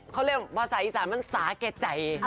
เขาเรียกภาษาอีสานมันสาแก่ใจ